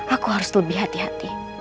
aku harus lebih hati hati